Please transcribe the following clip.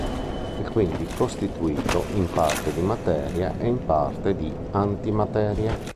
È quindi costituito in parte di materia e in parte di antimateria.